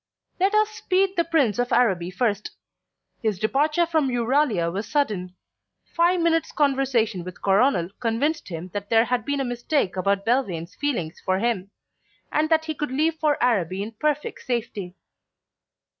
Let us speed the Prince of Araby first. His departure from Euralia was sudden; five minutes' conversation with Coronel convinced him that there had been a mistake about Belvane's feelings for him, and that he could leave for Araby in perfect safety.